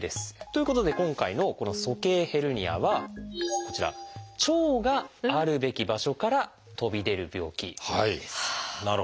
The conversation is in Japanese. ということで今回のこの「鼠径ヘルニア」はこちら腸があるべき場所から飛び出る病気です。